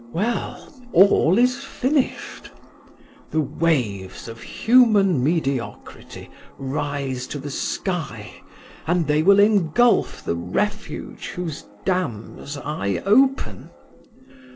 Well, all is finished. The waves of human mediocrity rise to the sky and they will engulf the refuge whose dams I open.